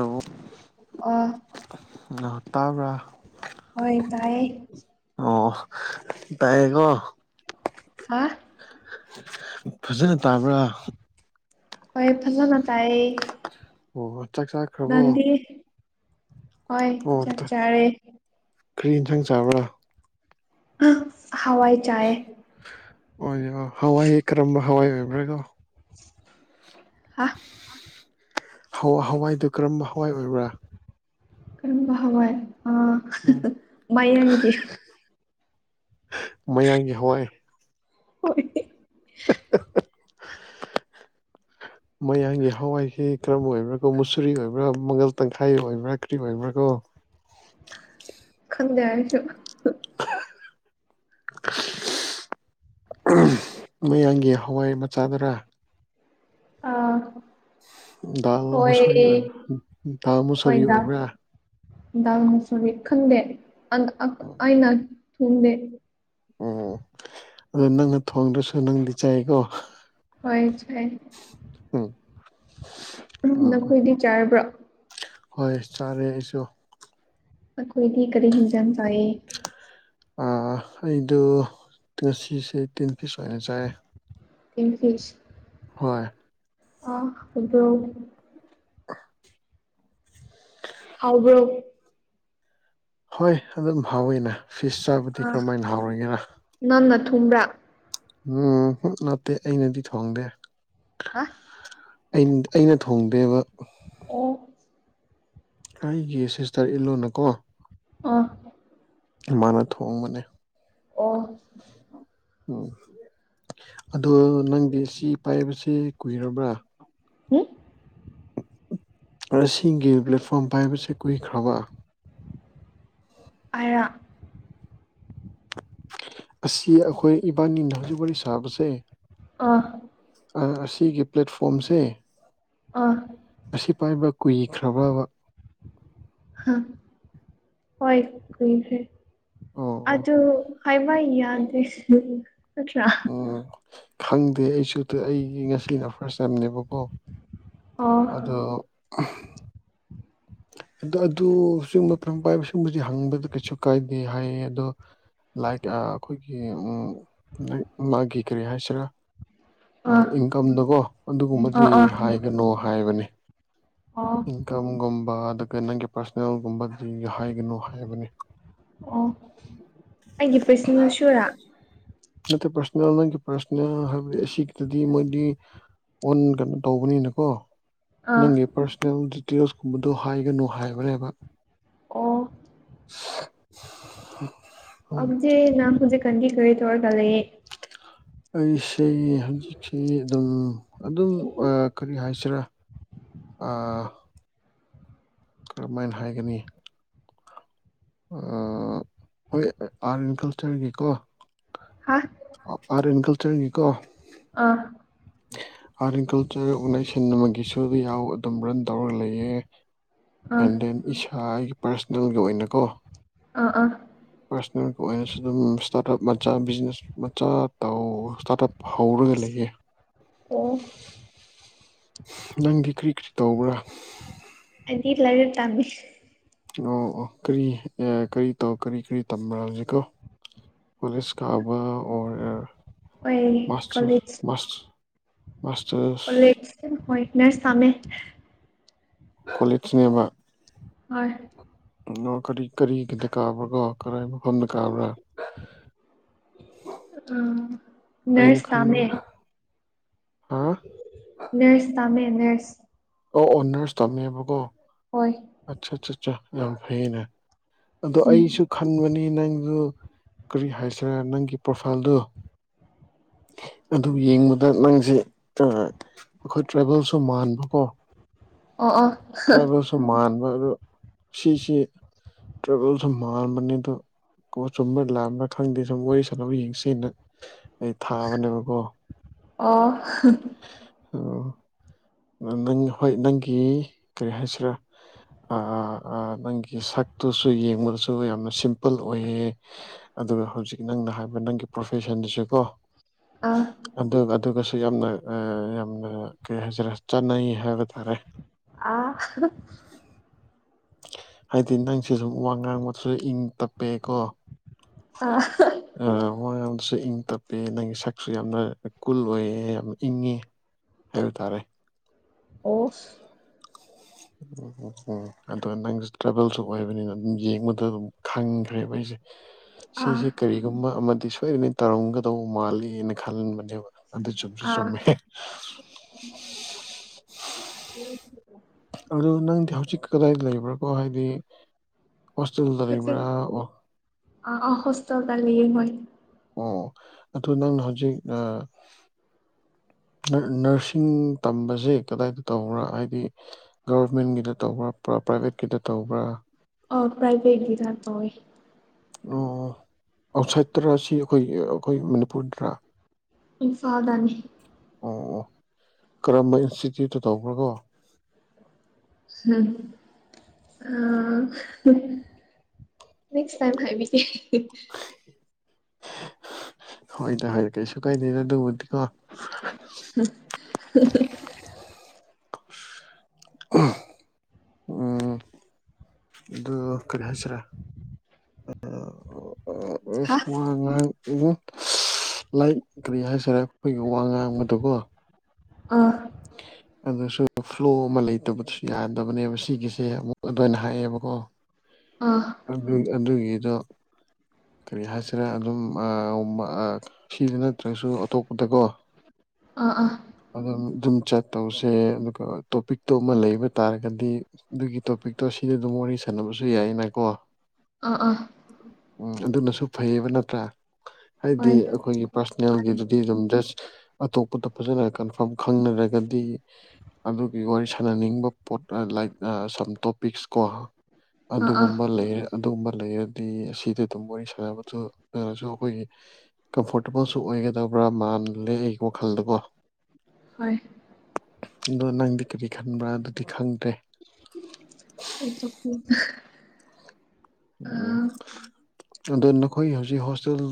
ꯑꯣ ꯑꯣ ꯉꯍ ꯇꯥꯕ꯭ꯔꯥ ꯍꯣꯏ ꯇꯥꯏꯌꯦꯦ ꯑꯣ ꯇꯥꯏꯦꯀꯣ ꯍꯥ ꯐꯖꯅ ꯇꯥꯕ꯭ꯔꯥ ꯍꯣꯏ ꯐꯜꯂꯅ ꯇꯥꯏ ꯑꯣ ꯆꯥꯛ ꯆꯥꯛꯈ꯭ꯔꯕꯣ ꯍꯣꯏ ꯆꯥꯛ ꯆꯥꯔꯦ ꯈ꯭ꯔꯤ ꯏꯟꯁꯥꯡ ꯆꯥꯕ꯭ꯔꯥ ꯍꯋꯥꯏ ꯆꯥ ꯑꯣ ꯌꯥ ꯍꯋꯥꯏꯦ ꯀꯔꯝꯕ ꯍꯋꯥꯏ ꯑꯣꯏꯕ꯭ꯔꯒꯣ ꯑ ꯋꯥ ꯍꯋꯥꯏꯗꯨ ꯀꯔꯝꯕ ꯍꯋꯥꯏ ꯑꯣꯏꯕ꯭ꯔꯥ ꯀꯔꯝꯕ ꯍꯕ ꯑ ꯅꯤ ꯀ ꯃꯌꯥꯡꯒꯤ ꯍꯋꯥꯏ ꯍ [inaudible] ꯃꯌꯥꯡꯒꯤ ꯍꯋꯥꯏꯁꯤ ꯀꯔꯝꯕ ꯑꯣꯏꯕ꯭ꯔꯥ ꯀꯣ ꯃꯨꯁꯨꯔꯤ ꯑꯣꯏꯕ꯭ꯔꯥ ꯃꯪꯒꯜ ꯇꯪꯈꯥꯏ ꯑꯣꯏꯕ꯭ꯔꯥ ꯀꯔꯤ ꯑꯣꯏꯕ꯭ꯔꯥ ꯀꯣ [inaudible] ꯈꯪꯗꯦ ꯍꯥꯏꯁꯨ [inaudible] ꯃꯌꯥꯝꯒꯤ ꯍꯋꯥꯏ ꯃꯆꯥꯗꯨꯔꯥ ꯑꯥ ꯃꯨꯁꯔꯤ ꯑꯣꯏꯕ꯭ꯔ ꯗꯥ ꯍꯣꯏ ꯃꯨꯁꯔꯤ ꯗꯥꯜ ꯑꯣꯏꯕ꯭ꯔꯥ ꯗꯥꯜ ꯃꯨꯁꯨꯕꯤ ꯈꯪꯗꯦ ꯑꯥꯏꯅꯥ ꯊꯣꯡꯗꯦ ꯎꯝ ꯑꯣ ꯊꯣꯡꯗ꯭ꯔꯁꯨ ꯅꯪꯗꯤ ꯆꯥꯏꯀꯣ ꯍꯣꯏ ꯎꯝ ꯎꯝ ꯅꯈꯣꯏꯗꯤ ꯆꯥꯔꯕ꯭ꯔꯣ ꯍꯣꯏ ꯆꯥꯔꯦ ꯑꯩꯁꯨ ꯑꯈꯣꯏꯗꯤ ꯀꯔꯤ ꯍꯖꯟ ꯆꯌꯦ ꯑꯩꯗ ꯉꯁꯤꯁꯦ ꯇꯤꯟ ꯄꯤꯁ ꯑꯣꯏꯅ ꯆꯥꯏ ꯏꯪꯂꯤꯁ ꯍꯣꯏ ꯑꯕ꯭ꯔꯣ [unintelligible] ꯍꯕ ꯍꯣꯏ ꯑꯗꯨꯝ ꯍꯥꯎꯋꯤꯅꯦ ꯐꯤꯁ ꯆꯥꯕꯗꯤ ꯀꯔꯝꯍꯥꯏꯅ ꯍꯥꯎꯔꯣꯏꯒꯦꯔ ꯊꯨꯝꯗ꯭ꯔ ꯎꯝ ꯅꯠꯇꯦ ꯑꯩꯅꯗꯤ ꯊꯣꯡꯗꯦ ꯍꯥ ꯑꯩꯅ ꯊꯣꯡꯗꯦꯕ ꯑꯣ ꯑꯩꯒꯤ ꯁꯤꯁꯇꯔ ꯏꯂꯨꯅꯀꯣ ꯑ ꯏꯥꯅ ꯊꯣꯡꯕꯅꯦ ꯑꯣꯐ ꯎꯝ ꯑꯗꯣ ꯅꯪꯗꯤ ꯁꯤ ꯄꯥꯏꯕꯕꯁꯤꯦ ꯀꯨꯏꯔꯕ꯭ꯔꯥ ꯍꯥ ꯑꯁꯤꯒꯤ ꯄ꯭ꯂꯦꯠꯐꯣꯝ ꯍꯥꯏꯕꯁꯦ ꯀꯨꯏꯈ꯭ꯔꯕ ꯑꯔꯥꯛ ꯑꯁꯤ ꯑꯩꯈꯣꯏ ꯏꯕꯥꯅꯤꯅ ꯍꯧꯖꯤꯛ ꯋꯥꯔꯤ ꯁꯥꯕꯁꯦ ꯑꯥ ꯑꯁꯤꯒꯤ ꯄ꯭ꯂꯦꯠꯐꯣꯝꯁꯦ ꯑꯥ ꯃꯁꯤ ꯄꯥꯏꯕ ꯀꯨꯏꯈ꯭ꯔꯕꯕ ꯍꯥ ꯍꯣꯏ ꯀ ꯍꯥꯏꯦ ꯑꯣ ꯑꯣ ꯑꯗꯨ ꯍꯥꯏꯋꯥ ꯌꯥꯗꯦ ꯅꯠꯇ꯭ꯔꯥ ꯎꯝ ꯈꯪꯗꯦ ꯑꯩꯁꯨ ꯑꯩꯒꯤ ꯉꯁꯤꯅ ꯐꯥꯔꯁ ꯇꯝꯅꯦꯕꯀꯣ ꯑꯣ ꯑꯗꯨꯗꯣ ꯑ ꯑꯗꯨ ꯁꯤꯒꯨꯝꯕ ꯄꯥꯏꯕ ꯁꯤꯒꯨꯝꯕꯗꯤ ꯍꯪꯕꯗ ꯀꯩꯁꯨ ꯀꯥꯏꯗꯦ ꯍꯥꯏꯌꯦ ꯑꯗꯣ ꯂꯥꯏꯛ ꯑꯩꯈꯣꯏꯒꯤ ꯃꯥꯒꯤ ꯀꯔꯤ ꯍꯥꯏꯁꯤꯔꯥ ꯑꯣ ꯑꯥ ꯏꯟꯀꯝꯗꯀꯣ ꯑꯗꯨꯒꯨꯝꯕꯕꯁꯤ ꯑꯥ ꯑꯥ ꯍꯥꯏꯒꯅꯣ ꯍꯥꯏꯕꯅꯤ ꯑꯣ ꯏꯟꯀꯝꯒꯨꯝꯕ ꯑꯗꯨꯒ ꯅꯪꯒꯤ ꯄꯥꯔꯁꯣꯅꯦꯜꯒꯨꯝꯕꯗꯤꯍ ꯍꯥꯏꯒꯅꯨ ꯍꯥꯏꯕꯅꯤ ꯑꯣ ꯑꯩꯒꯤ ꯄꯔꯁꯅꯦꯜ ꯁꯨꯔꯥ ꯅꯠꯇ ꯄꯁꯅꯦ ꯅꯪ ꯄꯁꯅ ꯍꯥꯏꯕ ꯁꯤꯗꯤ ꯃꯣꯏꯗꯤ ꯑꯣꯟ ꯀꯩꯅꯣ ꯇꯧꯕꯅꯤꯅꯀꯣ ꯑꯥ ꯅꯪꯒꯤ ꯄꯥꯔꯁꯣꯅꯦꯜ ꯗꯤꯇꯦꯜꯁꯀꯨꯝꯕꯗꯨꯣ ꯍꯥꯏꯒꯅꯨ ꯍꯥꯏꯕꯅꯦꯕ ꯑꯣ [unintelligible] ꯎꯝ ꯍꯧꯖꯦ ꯅꯅꯥꯖꯦ ꯀꯟꯤ ꯀ ꯇꯔꯒ ꯂꯩꯌꯦꯦ ꯑꯩꯁꯦ ꯍꯧꯖꯤꯛꯁꯤ ꯑꯗꯨꯝ ꯑꯗꯨꯝ ꯀꯔꯤ ꯍꯥꯏ ꯇꯆꯔ ꯑ ꯀꯔꯝꯍꯥꯏꯅ ꯍꯥꯏꯒꯅꯤ ꯍꯣꯏ ꯑꯥꯔꯠ ꯑꯦꯟ ꯀꯜꯆꯔꯒꯤꯀꯣ ꯍꯥ ꯔꯦ ꯀꯜ ꯆꯔꯉꯤꯀꯣ ꯑꯥ ꯑꯥꯔꯠ ꯑꯦꯟ ꯀꯜꯆꯔ ꯑꯣꯔꯒꯅꯥꯏꯖꯦꯁꯟ ꯑꯃꯒꯤꯁꯨ ꯌꯥꯎ ꯑꯗꯨꯝ ꯔꯟ ꯇꯧꯔꯒ ꯂꯩꯌꯦ ꯑꯥ ꯑꯦꯟ ꯗꯦꯟ ꯏꯁꯥ ꯑꯩꯒꯤ ꯄꯥꯔꯁꯅꯦꯜꯒꯤ ꯑꯣꯏꯅꯀꯣ ꯑꯥ ꯑꯥ ꯄꯔꯁꯅꯦꯜꯒꯤ ꯑꯣꯏꯅꯁꯨ ꯑꯗꯨꯝ ꯏꯁꯇꯥꯔꯠ ꯑꯞ ꯃꯆꯥ ꯕꯤꯖꯤꯅꯦꯁ ꯃꯆꯥ ꯇꯧ ꯏꯁꯇꯥꯔꯠ ꯑꯞ ꯍꯩꯔꯒ ꯂꯩꯌꯦ ꯑꯣ ꯅꯪꯗꯤ ꯀꯔꯤ ꯀꯔꯤ ꯇꯧꯕ꯭ꯔꯥ ꯑꯩꯗꯤ ꯂꯥꯏꯔꯤꯛ ꯇꯝꯃꯤ ꯑꯣ ꯑꯣ ꯀꯔꯤ ꯑꯦ ꯀꯔꯤ ꯇꯧ ꯀꯔꯤ ꯀꯔꯤ ꯇꯝꯕ ꯍꯧꯖꯤꯀꯣ ꯀꯂꯦꯖ ꯀꯕ ꯂꯣꯏꯔꯦ ꯍꯣꯏ ꯃꯥꯁꯇꯔ ꯀꯣꯂꯦꯖ ꯃꯥꯁꯇꯔ ꯍꯣꯏ ꯅꯔꯁ ꯇꯝꯃꯦ ꯀꯣꯂꯦꯁꯅꯦꯕ ꯍꯣꯏ ꯑꯣ ꯀꯔꯤ ꯀꯔꯤꯒꯤꯗ ꯀꯥꯕ꯭ꯔꯥ ꯀꯣ ꯀꯗꯥꯏ ꯃꯐꯝꯗ ꯀꯥꯕ꯭ꯔꯥ ꯎ ꯑꯩꯅ ꯅꯔꯁ ꯇꯝꯃꯦ ꯈꯟꯕꯅ ꯍꯥ ꯅꯔꯁ ꯇꯥꯃꯦ ꯅꯔꯁ ꯑꯣ ꯑꯣꯅꯔꯁ ꯇꯝꯃꯦꯕꯀꯣ ꯍꯣꯏ ꯑꯠꯆꯥ ꯑꯠꯆꯥ ꯑꯠ ꯌꯥꯝ ꯐꯩꯌꯦꯅ ꯑꯗꯣ ꯎꯝ ꯑꯩꯁꯨ ꯈꯟꯕꯅꯤ ꯅꯪ ꯑꯗꯨ ꯀꯔꯤ ꯍꯥꯏꯁꯤꯔꯥ ꯅꯪꯒꯤ ꯄ꯭ꯔꯣꯐꯥꯏꯜꯗꯨ ꯑꯗꯨ ꯌꯦꯡꯕꯗ ꯅꯪꯁꯦ ꯑꯩꯈꯣꯏ ꯇ꯭ꯔꯥꯏꯕꯦꯜꯁꯨ ꯃꯥꯟꯕꯀꯣ ꯑ ꯑ ꯁꯤ ꯁꯤ ꯇ꯭ꯔꯕꯦꯜꯁꯃꯥꯟꯕꯅꯤꯗ ꯀꯣ ꯆꯨꯝꯕ ꯂꯥꯛꯑ꯭ꯔꯥ ꯈꯪꯗꯦ ꯁꯨꯝ ꯋꯥꯔꯤ ꯁꯥꯟꯅꯕ ꯌꯦꯡꯁꯤꯅ ꯑꯩ ꯊꯥꯕꯅꯦꯕꯀꯣ ꯑꯣ ꯑꯣ ꯅꯪ ꯍꯣꯏ ꯅꯪꯒꯤ ꯀꯔꯤ ꯍꯥꯏꯁꯤꯔꯥ ꯅꯪꯒꯤ ꯁꯛꯇꯨꯁꯨ ꯌꯦꯡꯕꯗꯁꯨ ꯌꯥꯝꯅ ꯁꯤꯝꯄꯜ ꯑꯣꯏꯌꯦ ꯑꯗꯨꯒ ꯍꯧꯖꯤꯛ ꯅꯪꯅ ꯍꯥꯏꯕ ꯅꯪꯒꯤ ꯄ꯭ꯔꯣꯐꯦꯁꯟꯗꯁꯨꯀꯣ ꯑꯥ ꯑꯗꯨꯒ ꯑꯗꯨꯒꯁꯨ ꯌꯥꯝꯅ ꯌꯥꯝꯅ ꯀꯩ ꯍꯥꯏꯖꯔꯦ ꯆꯠꯅꯩ ꯑ ꯍꯥꯏꯗꯤ ꯅꯪꯁꯦ ꯁꯨꯝ ꯋꯥ ꯉꯥꯡꯕꯗꯨꯁꯨ ꯏꯪ ꯇꯞꯄꯀꯣ ꯑꯥ ꯑ ꯍꯣꯏ ꯨ ꯏꯪ ꯇꯞꯄ ꯅꯪꯒꯤ ꯁꯛꯁꯨ ꯌꯥꯝꯅ ꯀꯨꯜ ꯑꯣꯏꯌꯦ ꯌꯥꯝ ꯏꯪꯉꯦ ꯍꯥꯏꯕꯇꯥꯔꯦ ꯑꯣꯐ ꯎꯝ ꯎꯝ ꯎꯝ ꯑꯗꯨꯒ ꯅꯪꯁꯨ ꯇ꯭ꯔꯥꯚꯦꯜꯁꯨ ꯑꯣꯏꯕꯅꯤꯅ ꯑꯗꯨꯝ ꯌꯦꯡꯕꯗ ꯑꯗꯨꯝ ꯈꯪꯈ꯭ꯔꯦꯕ ꯑꯩꯁꯦ ꯑꯥ ꯁꯤꯁꯦ ꯀꯔꯤꯒꯨꯝꯕ ꯑꯃꯗꯤ ꯁꯣꯏꯗꯅ ꯇꯧꯔꯝꯒꯗꯧꯕ ꯃꯥꯜꯂꯤꯅ ꯈꯟꯕꯅꯦꯕ ꯑꯗꯨꯗ ꯆꯨꯝꯁꯨ ꯑꯥ ꯆꯨꯝꯃꯦ ꯑꯗꯨ ꯅꯪꯗꯤ ꯍꯧꯖꯤꯛ ꯀꯗꯥꯏꯗ ꯂꯩꯕ꯭ꯔꯥꯀꯣ ꯍꯥꯏꯗꯤ ꯍꯣꯇꯦꯜꯗ ꯍꯧꯖꯤꯛ ꯂꯩꯕ꯭ꯔ ꯑꯣ ꯑꯥ ꯑꯥ ꯍꯣꯁꯇꯦꯜꯗ ꯂꯩꯌꯦ ꯍꯣꯏ ꯑꯣ ꯑꯗꯨ ꯅꯪꯅ ꯍꯧꯖꯤꯛ ꯅꯔꯁꯤꯡ ꯇꯝꯕꯁꯦ ꯀꯗꯥꯏꯗ ꯇꯧꯕ꯭ꯔꯥ ꯍꯥꯏꯗꯤ ꯒꯕꯔꯃꯦꯟꯒꯤꯗ ꯇꯧꯕ꯭ꯔꯥ ꯄ꯭ꯔꯥꯏꯚꯦꯠꯀꯤꯗ ꯇꯧꯕ꯭ꯔꯥ ꯑ ꯄ꯭ꯔꯥꯏꯚꯦꯠꯒꯤꯗ ꯇꯧꯑꯦ ꯑꯥꯎꯠꯁꯥꯏꯠꯇꯔꯥꯁꯤ ꯑꯩꯈꯣꯏ ꯑꯩꯈꯣꯏ ꯃꯅꯤꯄꯨꯔꯗ ꯔ ꯏꯝꯐꯥꯜꯗꯅꯤ ꯑꯣ ꯑꯣ ꯀꯔꯝꯕ ꯏꯟꯁꯇꯤꯇ꯭ꯌꯨꯠꯇ ꯇꯧꯕ꯭ꯔ ꯀꯣ ꯎꯝ ꯑ ꯅꯦꯛꯁ ꯇꯥꯏꯝ ꯍꯥꯏꯕꯤꯅꯦ ꯍꯣꯏ ꯗ ꯀꯩꯁꯨꯨꯀꯥꯏꯗꯦ ꯑꯗꯨꯕꯨꯗꯤ [unintelligible] ꯎꯝ ꯑꯗꯨ ꯀꯔꯤ ꯍꯁ꯭ꯔꯥ ꯑ ꯍꯥ ꯁ ꯎꯨꯡ ꯂꯥꯏ ꯀꯔꯤ ꯍꯥꯏꯁꯔꯦ ꯑꯩꯈꯣꯏꯒꯤ ꯋꯥ ꯉꯥꯡꯕꯗꯀꯣ ꯑꯥ ꯍ ꯑꯗꯨꯁꯨ ꯐ꯭ꯂꯣ ꯑꯃ ꯂꯩꯇꯕꯁꯨ ꯌꯥꯗꯕꯅꯦꯕ ꯁꯤꯒꯤꯁꯦ ꯑꯃꯨꯛ ꯑꯗꯨꯃꯥꯏꯅ ꯍꯥꯏꯌꯦꯦꯕꯀꯣ ꯑꯥ ꯑꯗꯨ ꯑꯗꯨ ꯌꯦ ꯑꯗꯣ ꯀꯔꯤ ꯍꯥꯏꯁꯤꯔꯦ ꯑꯗꯨꯝ ꯁꯤꯗꯨꯅ ꯅꯠꯇ꯭ꯔꯁꯨ ꯑꯇꯣꯞꯄꯗꯀꯣ ꯑꯥ ꯑꯥ ꯑꯗꯨꯝ ꯑꯗꯨꯝ ꯆ ꯇꯧꯁꯦ ꯑꯗꯨꯒ ꯇꯣꯄꯤꯛꯇꯣ ꯑꯃ ꯂꯩꯕ ꯇꯥꯔꯒꯗꯤ ꯑꯗꯨꯒꯤ ꯇꯣꯄꯤꯛꯇꯣ ꯁꯤꯗ ꯑꯗꯨꯝ ꯋꯥꯔꯤ ꯁꯅꯕꯁꯨ ꯌꯥꯏꯅꯀꯣ ꯑꯥ ꯑꯥ ꯎꯝ ꯑꯗꯨꯅꯁꯨ ꯐꯩꯌꯦꯕ ꯅꯠꯇ꯭ꯔꯥ ꯍꯥꯏꯗꯤ ꯍꯣꯏ ꯑꯩꯈꯣꯏꯒꯤ ꯃꯥꯅꯦ ꯄꯥꯔꯁꯣꯅꯦꯜꯒꯤꯗꯨꯗꯤ ꯑꯗꯨꯝ ꯖꯁ ꯑꯇꯣꯞꯄꯗ ꯐꯖꯅ ꯀꯟꯐꯥꯝ ꯈꯪꯅꯔꯒꯗꯤ ꯑꯗꯨꯒꯤ ꯋꯥꯔꯤ ꯁꯥꯟꯅꯅꯤꯡꯕ ꯄꯣꯠ ꯂꯥꯏꯛ ꯁꯝ ꯇꯣꯄꯤꯛꯁ ꯀꯣ ꯑꯥ ꯑꯥ ꯑꯗꯨꯒꯨꯝꯕ ꯂꯩꯔꯦ ꯑꯗꯨꯒꯨꯝꯕ ꯂꯩꯔꯦ ꯑ ꯑꯁꯤꯗ ꯑꯗꯨꯝ ꯋꯥꯔꯤ ꯁꯥꯟꯅꯕꯁꯨ ꯅꯔꯁꯨ ꯑꯩꯈꯣꯏꯒꯤ ꯀꯝꯐꯣꯔꯇꯦꯕꯜꯁꯨ ꯑꯣꯏꯒꯗꯕ꯭ꯔꯥ ꯃꯜꯂꯦ ꯑꯩꯒꯤ ꯋꯥꯈꯜꯗꯨꯀꯣ ꯍꯣꯏ ꯑꯗꯣ ꯅꯪꯗꯤ ꯀꯔꯤ ꯈꯟꯕ꯭ꯔꯥ ꯑꯗꯨꯗꯤ ꯈꯪ ꯑꯩ ꯆꯆ ꯎꯝ ꯑꯗꯣ ꯅꯈꯣꯏ ꯍꯧꯖꯤꯛ ꯍꯣꯁꯇꯦꯜ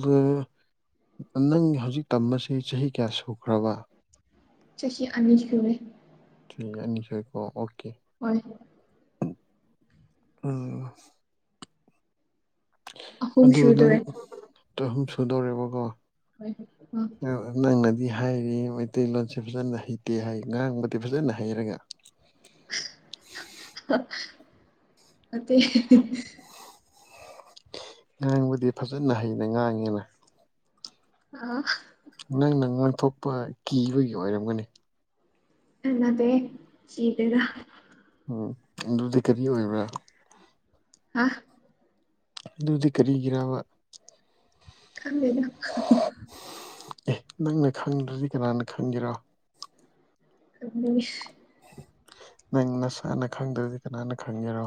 ꯅꯪ ꯍꯧꯖꯤꯛ ꯇꯁꯦ ꯆꯍꯤ ꯀꯌꯥ ꯁꯨꯈ꯭ꯔꯕ ꯆꯁꯤ ꯑꯅꯤꯁ ꯍꯔꯦ ꯊ꯭ꯔꯤ ꯑꯅꯤ ꯁꯣꯏꯀꯣ ꯑꯣꯀꯦ ꯍꯣꯏ ꯍꯣꯏ ꯎ ꯑꯍꯨꯝ ꯑꯗꯨ ꯅꯪ ꯁꯨꯗꯣꯔꯦ ꯆꯍꯨꯝ ꯁꯨꯗꯧꯔꯦꯕꯀꯣ ꯍꯣꯏ ꯑ ꯗꯤ ꯍꯥꯏꯔꯤ ꯃꯩꯇꯩꯂꯣꯟꯁꯦ ꯐꯖꯅ ꯍꯩꯇꯦ ꯍꯥꯏ ꯉꯥꯡꯕꯗꯤ ꯐꯖꯅ ꯍꯩꯔꯒ ꯑ ꯉꯥꯡꯕꯗꯤ ꯐꯖꯅ ꯍꯩꯅ ꯉꯥꯡꯉꯦꯅ ꯑ ꯅꯪꯅ ꯉꯥꯡꯊꯣꯛꯄ ꯀꯤꯕꯒꯤ ꯑꯣꯏꯔꯝꯒꯅꯤ ꯑꯗꯦ ꯆꯤꯗꯒ ꯎꯝ ꯑꯗꯨꯗꯤ ꯀꯔꯤ ꯑꯣꯏꯕ꯭ꯔꯥ ꯑ ꯑꯗꯨꯗꯤ ꯀꯔꯤꯒꯤꯔꯕ ꯀꯗꯅ ꯑꯦ ꯅꯪꯅ ꯈꯪꯗ꯭ꯔꯗꯤ ꯀꯅꯥꯅ ꯈꯪꯒꯤꯦꯔ ꯑꯗꯨ ꯃꯤ ꯅꯪ ꯅꯁꯥꯅ ꯈꯪꯗ꯭ꯔꯗꯤ ꯀꯅꯥꯅ ꯈꯪꯒꯦꯔꯣ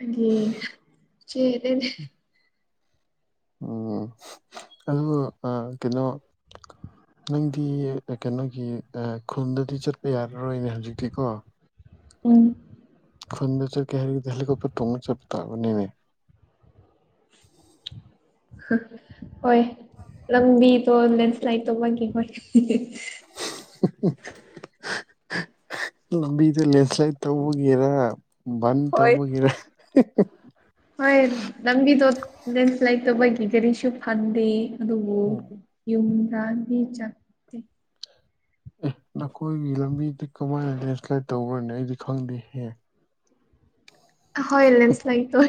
ꯑꯗꯨ ꯁꯤꯅꯦ ꯎꯝ ꯑꯗꯨ ꯑ ꯀꯩꯅꯣ ꯅꯨꯡꯗꯤ ꯀꯩꯅꯣꯒꯤ ꯈꯨꯜꯗꯗꯤ ꯆꯠꯄ ꯌꯥꯔꯔꯣꯏꯅꯦ ꯍꯧꯖꯤꯛꯇꯤꯀꯣ ꯎꯝ ꯈꯣꯟꯟꯗ ꯆ ꯀꯦ ꯍꯥꯏꯔ ꯍꯦꯂꯤꯀꯣꯄꯇꯔ ꯇꯣꯡꯅ ꯆꯠꯄ ꯇꯕ ꯅꯃꯦ ꯍꯣꯏ ꯂꯝꯝꯕ ꯇꯣ ꯂ ꯁ꯭ꯂꯥꯏꯠ ꯇꯣꯦ ꯂꯝꯕꯤꯗ ꯂꯦꯟꯁ꯭ꯂꯥꯏꯠ ꯇꯧꯕꯒꯤꯦꯔ ꯍꯣꯏ ꯍꯣꯏ ꯂꯪꯕꯤ ꯇ ꯂꯦꯟꯁ꯭ꯂꯥꯏꯗ ꯇꯧꯕꯒꯤ ꯀꯔꯤꯁꯨ ꯐꯗꯦ ꯑꯗꯨꯕꯨ ꯌꯨꯝ ꯒꯥꯟꯙꯤ ꯆꯖꯒꯇꯤ ꯑꯦ ꯅꯈꯣꯏꯒꯤ ꯂꯝꯕꯤꯗꯤ ꯀꯃꯥꯏꯅ ꯂꯦꯟꯁ꯭ꯂꯥꯏꯠ ꯇꯧꯈ꯭ꯔꯅꯦ ꯑꯩꯗꯤ ꯈꯪꯗꯦꯍꯦ ꯍꯣꯏ ꯂꯁ ꯂꯥꯏ ꯇ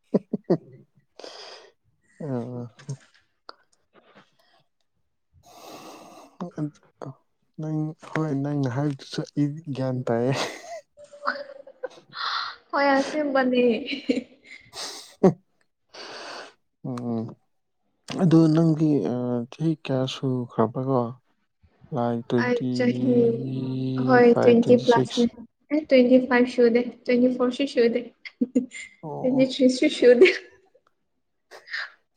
[inaudible] [unintelligible] ꯅꯪ ꯍꯣꯏ ꯅꯪꯅ ꯍꯥꯏꯕꯗꯨꯁꯨ ꯑꯩꯗꯤ ꯒ꯭ꯌꯥꯟ ꯇꯥꯏꯌꯦ ꯍꯣꯏ ꯑꯁꯤ ꯃꯅꯤ ꯎꯝ ꯑꯗꯨ ꯅꯪꯒꯤ ꯆꯍꯤ ꯀꯌꯥ ꯁꯨꯈ꯭ꯔꯕ꯭ꯔꯀꯣ ꯥꯏꯚ ꯑꯩ ꯇ꯭ꯋꯦꯟꯇꯤ ꯆꯍꯤ ꯍꯣꯏ ꯐꯥꯏꯚ ꯇ꯭ꯋꯦꯟꯇꯤ ꯁꯤꯛꯁ ꯄ꯭ꯂꯁꯅꯦ ꯑꯦ ꯇ꯭ꯋꯦꯟꯇꯤ ꯐꯥꯏꯚ ꯁꯗꯦ ꯇ꯭ꯋꯦꯟꯇꯤ ꯐꯣꯔꯁꯨ ꯁꯗꯦ ꯑꯣ ꯇ꯭ꯋꯦꯟꯇꯤ ꯑꯣ ꯊ꯭ꯔꯤꯁꯨ [inaudible]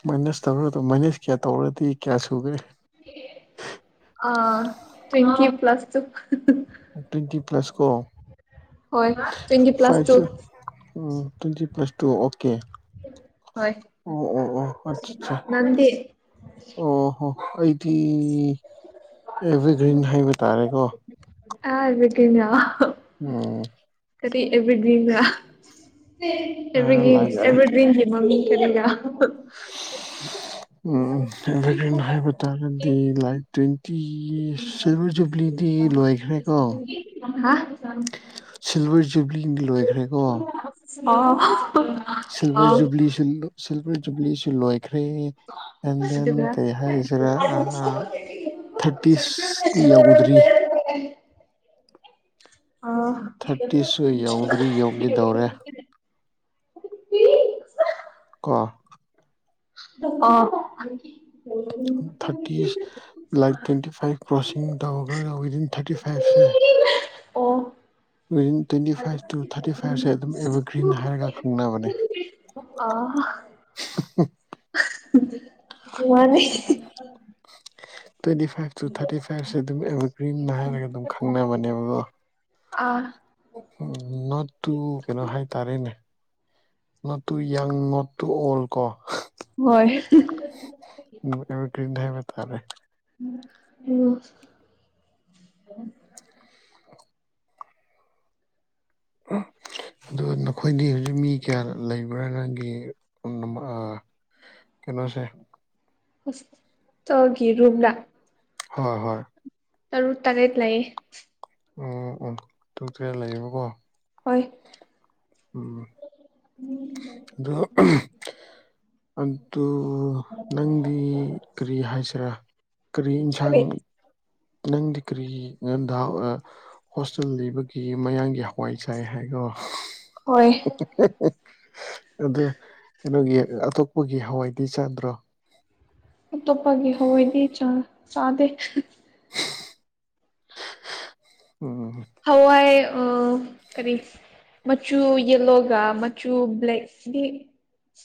ꯃꯥꯏꯅꯁ ꯇꯧꯔ ꯑꯗꯨ ꯃꯥꯏꯅꯁ ꯀꯌꯥ ꯇꯧꯔꯗꯤ ꯀꯌꯥ ꯁꯨꯈ꯭ꯔꯦ ꯑ ꯇ꯭ꯋꯦꯟꯇꯤ ꯄ꯭ꯂꯁ ꯇ ꯇ꯭ꯋꯦꯟꯇꯤ ꯄ꯭ꯂꯁ ꯀꯣ ꯍꯣꯏ ꯇ꯭ꯋꯦꯟꯇꯤ ꯄ꯭ꯂꯁ ꯇꯨ ꯐꯥꯏꯚ ꯎ ꯇ꯭ꯋꯦꯟꯇꯤ ꯄ꯭ꯂꯥꯁ ꯇꯨ ꯑꯣꯀꯦ ꯍꯣꯏ ꯑꯣ ꯑꯣ ꯑꯣ ꯑ ꯅꯪꯗꯤ ꯑꯣ ꯍꯣ ꯑꯩꯗꯤ ꯑꯦꯕꯔꯒ꯭ꯔꯤꯟ ꯍꯥꯏ ꯇꯥꯔꯦꯀꯣ ꯑ ꯏ ꯀꯦ ꯌꯥ ꯑꯣꯝ ꯀꯔꯤ ꯑꯦꯚꯔꯒ꯭ꯔꯤꯟꯒ ꯑꯦꯚꯔꯒ꯭ꯔꯤꯟ ꯂꯥꯏꯛ ꯑꯦꯚꯔꯒ꯭ꯔꯤꯟꯒꯤ ꯃꯃꯤꯡ ꯀꯔꯤꯒ ꯎꯝ ꯑꯦꯔꯤꯅꯍꯕ ꯇꯥꯔꯗꯤ ꯂꯥꯏꯠ ꯇ ꯇꯤ ꯁꯤꯜꯚꯔ ꯖꯨꯕ꯭ꯂꯤꯗꯤ ꯂꯣꯏꯈ꯭ꯔꯦꯀꯣ ꯑꯁꯥꯡ ꯖꯨꯕꯂꯤꯡ ꯂꯣꯏꯈ꯭ꯔꯦꯀꯣ ꯁꯃ ꯁꯤꯜꯚꯔ ꯖꯨꯕ꯭ꯂꯤꯁꯨ ꯁꯤꯜꯚꯔ ꯖꯨꯕ꯭ꯂꯤꯁꯨ ꯂꯣꯏꯈ꯭ꯔꯦ ꯑꯦꯟ ꯗꯦꯟ ꯀꯩ ꯍꯥꯏꯁꯤꯔꯥ [inaudible] ꯊꯥꯔꯇꯤꯁꯇꯤ ꯌꯧꯗ꯭ꯔꯤ [unintelligible] ꯊꯥꯔꯇꯤꯁꯁꯨ ꯌꯧꯗ꯭ꯔꯤ ꯑꯥ ꯌꯧꯒꯦꯗꯧꯔꯦ [inaudible] ꯀ ꯑ thirties like twenty five crossing ꯇꯧꯈ꯭ꯔꯒ ꯋꯤꯗꯤꯟ ꯊꯥꯔꯇꯤ ꯐꯥꯏꯚꯁꯦ of within twenty five to thirty ꯐꯥꯏꯚꯁꯦ ꯑꯗꯨꯝ ꯑꯦꯚꯔꯒ꯭ꯔꯤꯟ ꯍꯥꯏꯔꯒ ꯈꯪꯅꯕꯅꯦ ꯑ [unintelligible] ꯃꯥꯅꯦ ꯇ꯭ꯋꯦꯟꯇꯤ ꯐꯥꯏꯚ ꯇꯨ ꯊꯥꯔꯇꯤ ꯐꯥꯏꯚꯁꯦ ꯑꯗꯨꯝ ꯑꯦꯚꯔꯒ꯭ꯔꯤꯝ ꯍꯥꯏꯔꯒ ꯑꯗꯨꯝ ꯈꯪꯅꯕꯅꯦꯕꯀꯣ ꯑꯥ ꯎ ꯅ ꯇꯨ ꯀꯩꯅꯣ ꯍꯥꯏ ꯇꯔꯅꯦ ꯅꯠꯇꯨ ꯌꯪ ꯅꯠꯇꯨ ꯑꯣꯜ ꯀꯣ ꯍꯣꯏ ꯀꯔꯤ ꯊ ꯍꯥꯏꯃꯦꯦ ꯇꯥꯔꯦ ꯑꯣ [inaudible] ꯑ ꯅꯈꯣꯏꯗꯤ ꯍꯧꯖꯤꯛ ꯃꯤ ꯀꯌꯥ ꯂꯩꯕ꯭ꯔꯥ ꯅꯪꯒꯤ ꯀꯩꯅꯣꯁꯦ ꯑꯁ ꯇꯒꯤ ꯔꯨꯝꯂ ꯍꯣꯏ ꯍꯣꯏ ꯇꯔꯨ ꯇꯔꯥꯏꯠ ꯂꯩꯌꯦ ꯑꯣ ꯑꯣꯟꯊꯣꯛꯇꯣꯛꯇ꯭ꯔꯦ ꯂꯩꯌꯦꯕꯀꯣ ꯍꯣꯏ ꯎꯝ ꯑꯗꯨꯗꯣ ꯑꯗꯨꯣ ꯑꯣ ꯅꯪꯗꯤ ꯀꯔꯤ ꯍꯥꯏꯁꯤꯔꯥ ꯀꯔꯤ ꯏꯟꯁꯥꯡ ꯅꯪꯗꯤ ꯀꯔꯤ ꯅꯪꯗ ꯍꯣꯁꯇꯦꯜ ꯂꯩꯕꯒꯤ ꯃꯌꯥꯡꯒꯤ ꯍꯋꯥꯏ ꯆꯥꯏ ꯍꯥꯏꯈ꯭ꯔꯣ ꯍꯣꯏ ꯑꯗꯨꯗ ꯀꯩꯅꯣꯒꯤ ꯑꯇꯣꯞꯄꯒꯤ ꯍꯋꯥꯏꯗꯤ ꯆꯥꯗ꯭ꯔꯣ ꯑꯇꯣꯞꯄꯒꯤ ꯍꯣꯏꯗꯤ ꯆ ꯆꯥꯗꯦ ꯎꯝ ꯍꯋꯥꯏ ꯑꯥ ꯀꯔꯤ ꯃꯆꯨ ꯌꯦꯂꯣꯒ ꯃꯆꯨ ꯕ꯭ꯂꯦꯛ